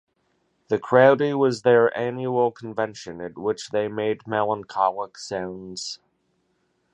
The Crowdie was their annual convention, at which they made melancholic sounds.